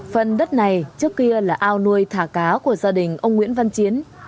phần đất này trước kia là ao nuôi thả cá của gia đình ông nguyễn văn chiến